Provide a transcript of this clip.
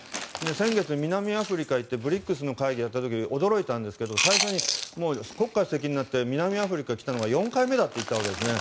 先月、南アフリカに行ってＢＲＩＣＳの会議をやった時に驚いたんですが最初に、国家主席になって南アフリカ来たのは４回目だと言ったわけですね。